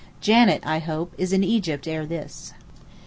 Janet, I hope is in Egypt ere this.